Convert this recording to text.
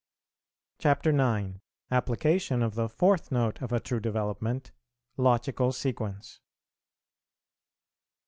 CHAPTER IX. APPLICATION OF THE FOURTH NOTE OF A TRUE DEVELOPMENT. LOGICAL SEQUENCE.